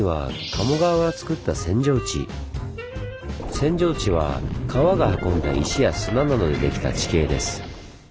扇状地は川が運んだ石や砂などでできた地形です。